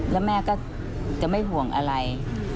แล้วแม่ก็จะไม่ห่วงอะไร